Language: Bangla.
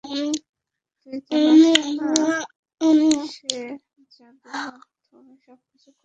তুই জানস না, সে জাদুর মাধ্যমে সবকিছু করতে পারে।